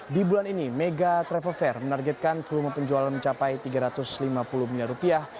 di bulan ini mega travel fair menargetkan volume penjualan mencapai tiga ratus lima puluh miliar rupiah